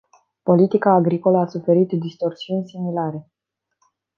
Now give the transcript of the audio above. Politica agricolă a suferit distorsiuni similare.